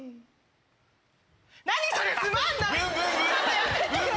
何それつまんない！